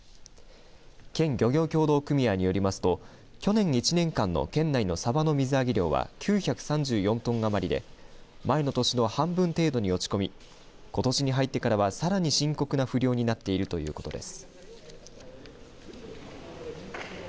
県漁業協同組合によりますと去年１年間の県内のさばの水揚げ量は９３４トン余りで前の年の半分程度に落ち込みことしに入ってからはさらに深刻な不漁になっているということです。